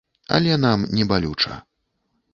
Але нам не балюча.